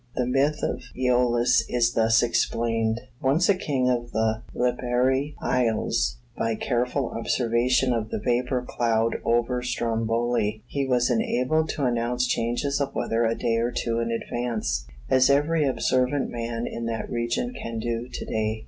The myth of Aeolus is thus explained. Once a king of the Lipari Isles, by careful observation of the vapor cloud over Stromboli he was enabled to announce changes of weather a day or two in advance, as every observant man in that region can do to day.